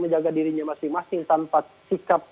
menjaga dirinya masing masing tanpa sikap